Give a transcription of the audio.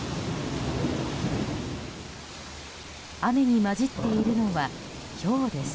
雨に交じっているのはひょうです。